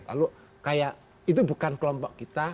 lalu kayak itu bukan kelompok kita